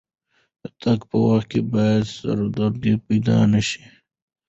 د تګ په وخت کې باید سردردي پیدا نه شي.